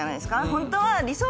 ホントは。